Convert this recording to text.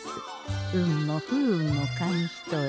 運も不運も紙一重。